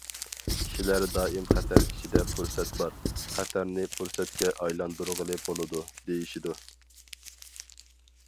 كىشىلەر دائىم خەتەر ئىچىدە پۇرسەت بار، خەتەرنى پۇرسەتكە ئايلاندۇرغىلى بولىدۇ، دېيىشىدۇ.